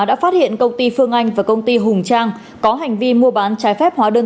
đã phát hiện công ty phương anh và công ty hùng trang có hành vi mua bán trái phép hóa đơn